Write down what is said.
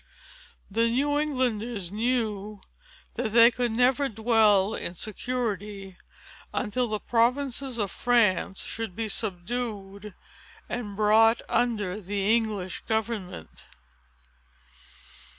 The New Englanders knew that they could never dwell in security, until the provinces of France should be subdued, and brought under the English government.